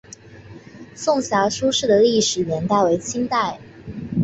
颂遐书室的历史年代为清代。